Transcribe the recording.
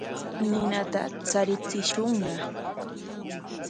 Ninata charichishunña.